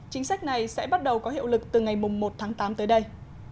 chính sách này sẽ bắt đầu có hiệu lực từ ngày một tháng tám tới đây